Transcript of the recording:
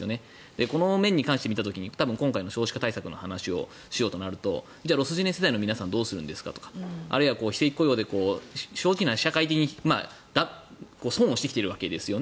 その面で見た時に今回の少子化対策の話をしようとなるとじゃあロスジェネ世代の皆さんどうするんですかとか非正規雇用で損をしてきているわけですよね。